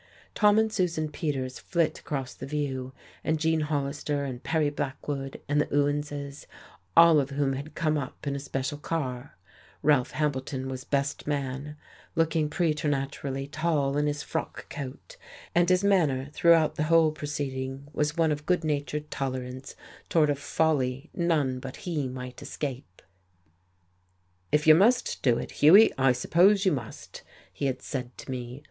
Tom and Susan Peters flit across the view, and Gene Hollister and Perry Blackwood and the Ewanses, all of whom had come up in a special car; Ralph Hambleton was "best man," looking preternaturally tall in his frock coat: and his manner, throughout the whole proceeding, was one of good natured tolerance toward a folly none but he might escape. "If you must do it, Hughie, I suppose you must," he had said to me.